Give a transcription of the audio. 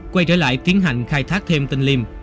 quay trở lại tiến hành khai thác thêm tên liêm